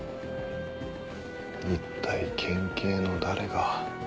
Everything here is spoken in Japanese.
一体県警の誰が。